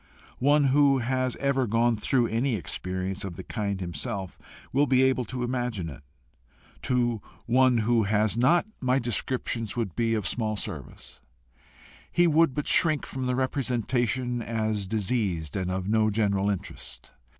One who has ever gone through any experience of the kind himself, will be able to imagine it; to one who has not, my descriptions would be of small service: he would but shrink from the representation as diseased and of no general interest.